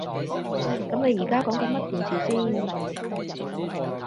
噉你而家講緊乜電視先？